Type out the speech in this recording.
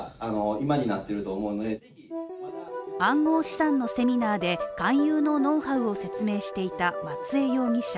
暗号資産のセミナーで勧誘のノウハウを説明していた松江容疑者。